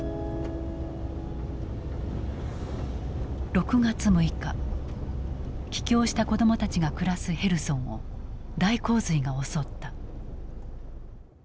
６月６日帰郷した子どもたちが暮らすヘルソンを大洪水が襲った。